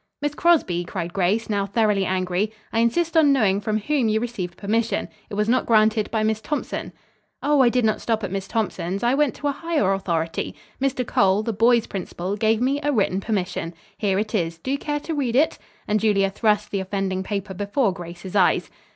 "Miss Crosby," cried Grace, now thoroughly angry, "I insist on knowing from whom you received permission. It was not granted by Miss Thompson." "Oh, I did not stop at Miss Thompson's. I went to a higher authority. Mr. Cole, the boys' principal, gave me a written permission. Here it is. Do you care to read it?" and Julia thrust the offending paper before Grace's eyes.